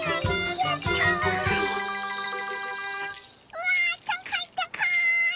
うわたかいたかい！